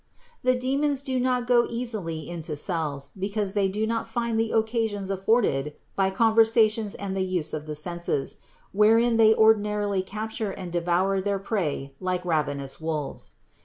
The demons do not easily go into the cells, because there they do not find the occasions afforded by conversations and the use of the senses, wherein they ordinarily capture and devour their prey like ravenous wolves.